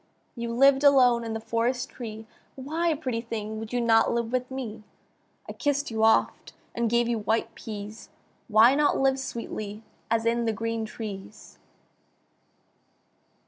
You lived alone in the forest tree, Why, pretty thing! would you not live with me? I kiss'd you oft and gave you white peas; Why not live sweetly, as in the green trees?